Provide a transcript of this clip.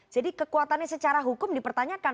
jadi kekuatannya secara hukum dipertanyakan